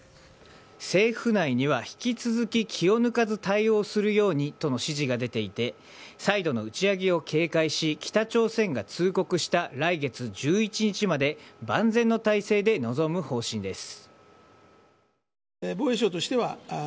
政府内には引き続き気を抜かず対応するようにとの指示が出ていて再度の打ち上げを警戒し北朝鮮が通告した来月１１日まで万全の態勢で臨む方針です。